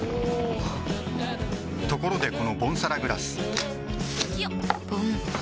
おおっところでこのボンサラグラス